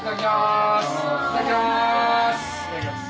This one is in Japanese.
いただきます。